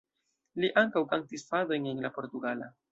Li ankaŭ kantis fadojn en la portugala.